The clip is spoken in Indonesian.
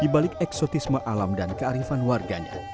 di balik eksotisme alam dan kearifan warganya